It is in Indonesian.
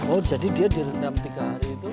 oh jadi dia direndam tiga hari itu